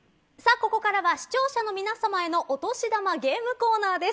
ここからは視聴者の皆様へのお年玉ゲームコーナーです。